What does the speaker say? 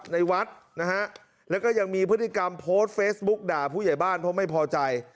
ในวัดนะฮะแล้วก็ยังมีพฤติกรรมโพสต์เฟซบุ๊กด่าผู้ใหญ่บ้านเพราะไม่พอใจ